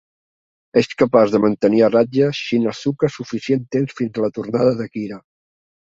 És capaç de mantenir a ratlla Shinn Asuka suficient temps fins a la tornada de Kira.